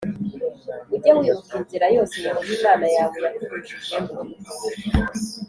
Ujye wibuka inzira yose Yehova Imana yawe yakunyujijemo